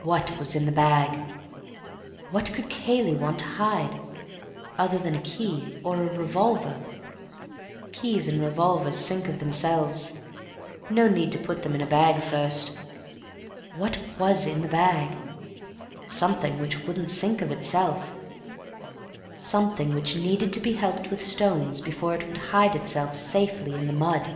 What was in the bag? What could Cayley want to hide other than a key or a revolver? Keys and revolvers sink of themselves; no need to put them in a bag first. What was in the bag? Something which wouldn't sink of itself; something which needed to be helped with stones before it would hide itself safely in the mud.